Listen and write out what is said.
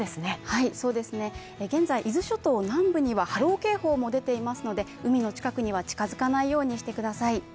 はい、現在、伊豆諸島南部には波浪警報も出ていますので、海の近くには近づかないようにしてください。